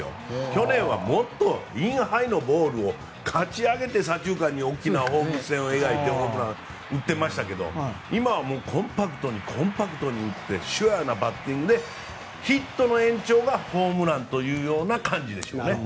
去年はもっとインハイのボールをかち上げて左中間に大きな放物線を描いてホームランを打ってましたけど今はコンパクトに打ってシュアなバッティングでヒットの延長がホームランという感じですね。